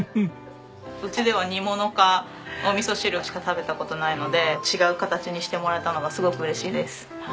うちでは煮物かおみそ汁しか食べた事ないので違う形にしてもらえたのがすごく嬉しいです。